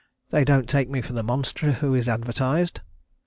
They don't take me for the monster who is advertised?"